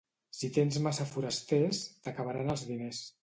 Si tens massa forasters, t'acabaran els diners.